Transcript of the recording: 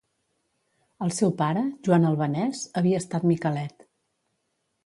El seu pare, Joan Albanès, havia estat miquelet.